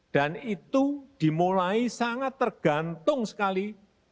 dan itu dimulai sangat tergantung sekali